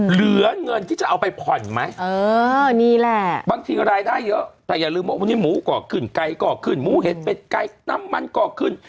เหลือเงินที่จะเอาไปผ่อนไหมเออนี่แหละบางทีรายได้เยอะแต่อย่าลืมว่าวันนี้หมูก่อขึ้นไก่ก่อขึ้นหมูเห็ดเป็ดไก่น้ำมันก็ขึ้น